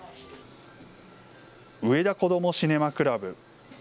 うえだ子どもシネマクラブ。